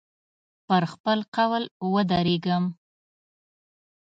پر خپل قول ودرېږم.